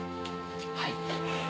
はい。